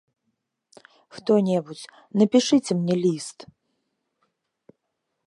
Хто-небудзь, напішыце мне ліст!